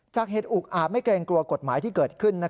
เหตุอุกอาจไม่เกรงกลัวกฎหมายที่เกิดขึ้น